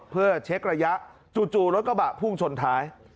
เพื่อเช็กระยะจู่รถกระบะพุ่งชนท้าย